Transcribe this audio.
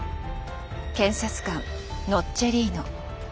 検察官ノッチェリーノ。